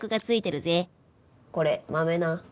「これ豆な」